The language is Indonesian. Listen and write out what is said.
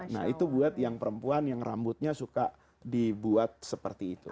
nah itu buat yang perempuan yang rambutnya suka dibuat seperti itu